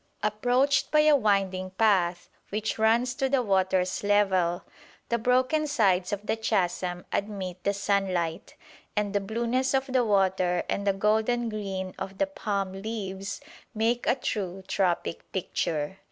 Approached by a winding path which runs to the water's level, the broken sides of the chasm admit the sunlight, and the blueness of the water and the golden green of the palm leaves make a true tropic picture.